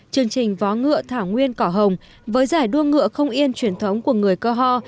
chương trình vó ngựa thảo nguyên cỏ hồng với giải đua ngựa không yên truyền thống của người cơ ho